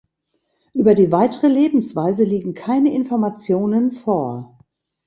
Über die weitere Lebensweise liegen keine Informationen vor.